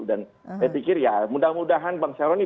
dan saya pikir mudah mudahan bank caroni